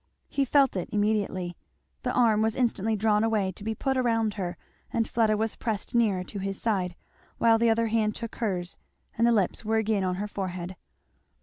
He felt it immediately. The arm was instantly drawn away to be put around her and Fleda was pressed nearer to his side, while the other hand took hers; and his lips were again on her forehead.